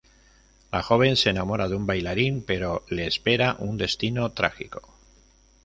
La joven se enamora de un bailarín, pero le espera un destino trágico.